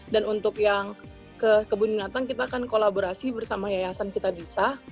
dan untuk yang kebun binatang kita akan kolaborasi bersama yayasan kita bisa